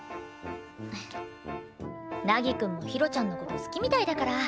凪くんもひろちゃんの事好きみたいだから。